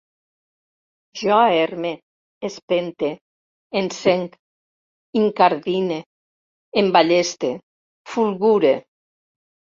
Jo erme, espente, encenc, incardine, emballeste, fulgure